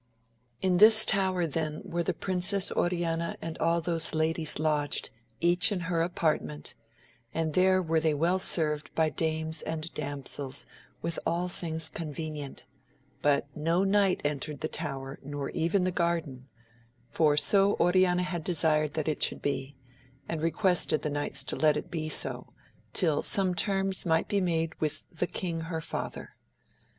In this tower then were the Princess Oriana and all those ladies lodged, each in her apartment, and there were they well served by dames and damsels with all things convenient ; but no knight entered the tower nor even the garden ; for so Oriana had desired that it should be, and requested the knights to let it be so, till some terms might be made with the king her father.